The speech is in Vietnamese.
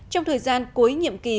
trong thời gian cuối nhiệm kỳ